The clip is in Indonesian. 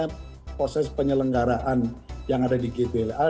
dan juga proses penyelenggaraan yang ada di gbll